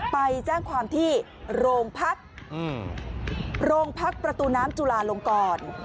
ไปแจ้งความที่โรงพักโรงพักประตูน้ำจุลาลงกร